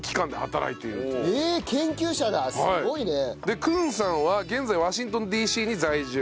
でクンさんは現在ワシントンＤ．Ｃ．に在住。